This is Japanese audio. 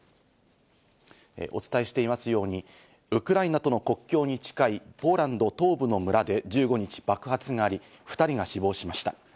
お伝えしていますように、ウクライナとの国境に近い、ポーランド東部の村で１５日、爆発あり、２人が死亡しました。